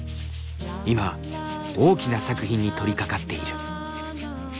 今大きな作品に取りかかっている。